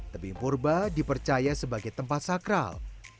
tebing purba dipercaya sebagai tempat sakral